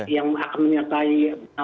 yang akan menyertai